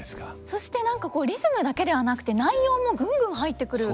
そして何かリズムだけではなくて内容もぐんぐん入ってくる。